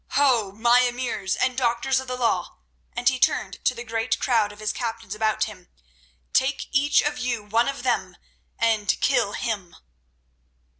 Ho! my emirs and doctors of the law," and he turned to the great crowd of his captains about him, "take each of you one of them and kill him."